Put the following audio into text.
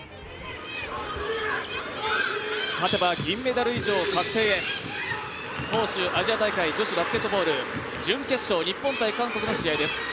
勝てば銀メダル以上確定杭州アジア大会女子バスケットボール準決勝、日本×韓国の試合です。